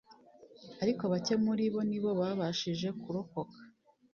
ariko bacye muri bo nibo babashije kurokoka